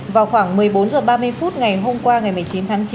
vào khoảng một mươi bốn h ba mươi phút ngày hôm qua ngày một mươi chín tháng chín